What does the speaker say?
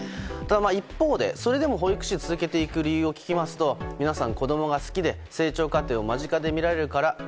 ただ一方で、それでも保育士を続けていく理由を聞きますと皆さん、子供が好きで成長過程を間近で見られるから。